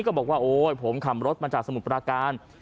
ก็บอกว่าโอ๊ยผมขับรถมาจากสมุทรปราการ